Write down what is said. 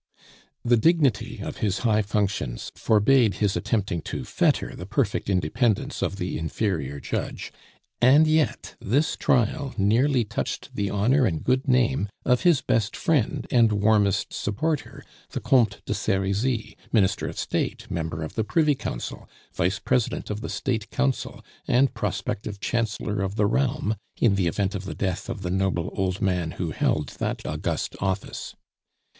The dignity of his high functions forbade his attempting to fetter the perfect independence of the inferior judge, and yet this trial nearly touched the honor and good name of his best friend and warmest supporter, the Comte de Serizy, Minister of State, member of the Privy Council, Vice President of the State Council, and prospective Chancellor of the Realm, in the event of the death of the noble old man who held that august office.